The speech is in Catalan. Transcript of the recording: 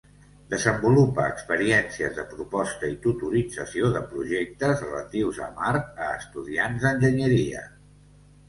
Desenvolupa experiències de proposta i tutorització de projectes relatius a Mart a estudiants d'enginyeria.